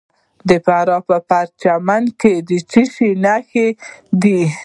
د فراه په پرچمن کې د څه شي نښې دي؟